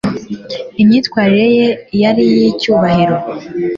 Imyitwarire ye yari iyicyubahiro